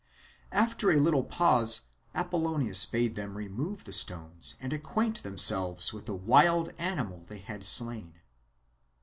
After a little pause Apollonius bade them remove the stones and acquaint themselves with the wild animal which they had slain.